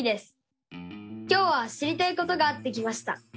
今日は知りたいことがあって来ました。